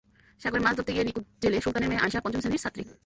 সাগরে মাছ ধরতে গিয়ে নিখোঁজ জেলে সুলতানের মেয়ে আয়শা পঞ্চম শ্রেণির ছাত্রী।